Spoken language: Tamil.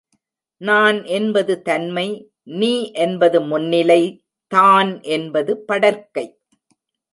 நான் என்பது தன்மை நீ என்பது முன்னிலை தான் என்பது படர்க்கை.